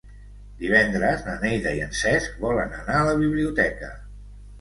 Divendres na Neida i en Cesc volen anar a la biblioteca.